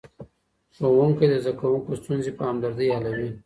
ښوونکی د زدهکوونکو ستونزې په همدردۍ حلوي.